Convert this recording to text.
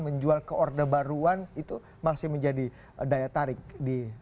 menjual ke orde baruan itu masih menjadi daya tarik di